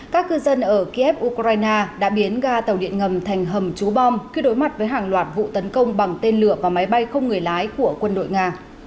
các cư dân ở kiev ukraine đã biến ga tàu điện ngầm thành hầm trú bom khi đối mặt với hàng loạt vụ tấn công bằng tên lửa và máy bay không người lái của quân đội nga